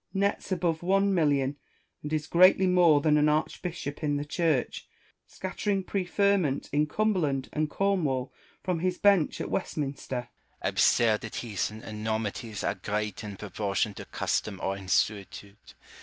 Nets above one million, and is greatly more than an archbishop in the church, scattering preferment in Cumberland and Cornwall from his bench at Westminster. Rousseau. Absurdities and enormities are great in proportion to custom or insuetude.